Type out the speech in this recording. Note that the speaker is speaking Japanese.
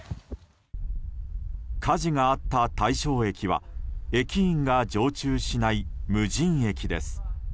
火事があった大正駅は駅員が常駐しない無人駅です。